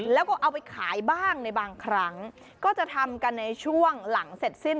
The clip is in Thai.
แล้วก็เอาไปขายบ้างในบางครั้งก็จะทำกันในช่วงหลังเสร็จสิ้น